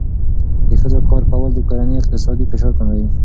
د ښځو کار کول د کورنۍ اقتصادي فشار کموي.